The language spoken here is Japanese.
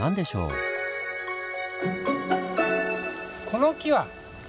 この木は。